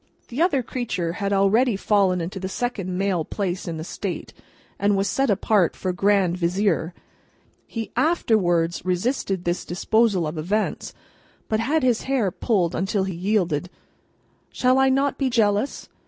[The other creature had already fallen into the second male place in the State, and was set apart for Grand Vizier. He afterwards resisted this disposal of events, but had his hair pulled until he yielded.] "Shall I not be jealous?"